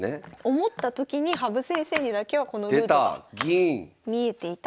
思ったときに羽生先生にだけはこのルートが出た。